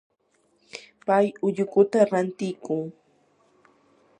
pay ullukuta rantiykun.